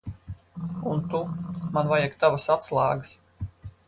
Un tu. Man vajag tavas atslēgas.